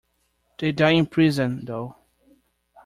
They die in prison, though.